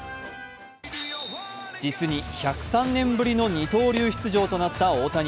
実に１０３年ぶりの二刀流出場となった大谷。